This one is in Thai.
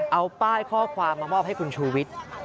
เอาป้ายข้อความมามอบให้คุณชูวิทย์